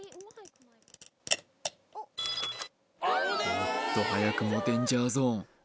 おっと早くもデンジャーゾーン